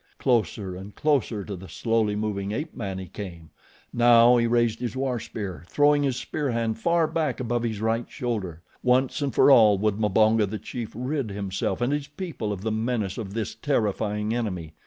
Closer and closer to the slowly moving ape man he came. Now he raised his war spear, throwing his spear hand far back above his right shoulder. Once and for all would Mbonga, the chief, rid himself and his people of the menace of this terrifying enemy.